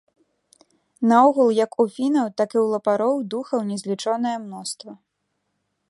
Наогул як у фінаў, так і ў лапароў духаў незлічонае мноства.